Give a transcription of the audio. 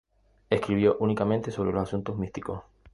Escribió únicamente sobre asuntos místicos.